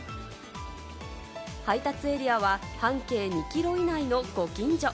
配達エリアは半径２キロ以内のご近所。